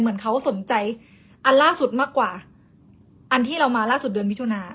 เหมือนเขาสนใจอันล่าสุดมากกว่าอันที่เรามาล่าสุดเดือนมิถุนา